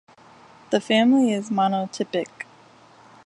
The family is monotypic.